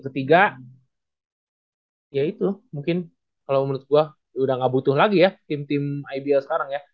ketiga ya itu mungkin kalau menurut gue udah gak butuh lagi ya tim tim ibl sekarang ya